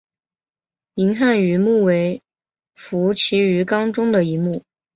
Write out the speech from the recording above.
银汉鱼目为辐鳍鱼纲的其中一目。